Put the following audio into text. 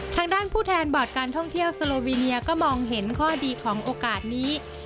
ทางด้านผู้แทนบอร์ดการท่องเที่ยวสโลวิเนียก็มองเห็นข้อดีของโอกาสนี้